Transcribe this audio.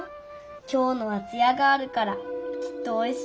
きょうのはつやがあるからきっとおいしいよ。